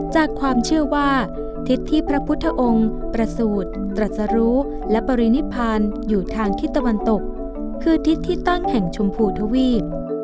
จากความเชื่อว่าทิศที่พระพุทธองค์ประสูจน์ตรัสรู้และปรินิพานอยู่ทางทิศตะวันตกคือทิศที่ตั้งแห่งชมพูทวีป